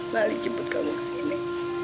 mali jemput kamu ke sini